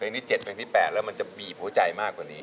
เพลงที่เจ็ดเพลงที่แปดแล้วมันจะบีบหัวใจมากกว่านี้